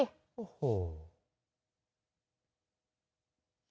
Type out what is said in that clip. โอ้โห